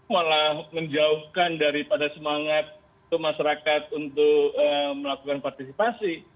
malah menjauhkan daripada semangat masyarakat untuk melakukan partisipasi